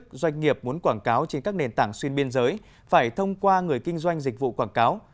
các doanh nghiệp muốn quảng cáo trên các nền tảng xuyên biên giới phải thông qua người kinh doanh dịch vụ quảng cáo